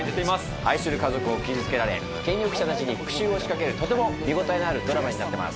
愛する家族を傷つけられ権力者たちに復讐をしかけるとても見応えのあるドラマになってます。